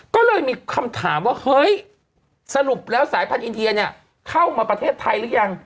ก็เลยมีคำถามว่าเฮ้ยสรุปแล้วสายพันธุอินเดียเนี่ยเข้ามาประเทศไทยหรือยัง